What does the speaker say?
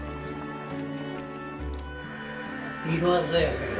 色鮮やかや。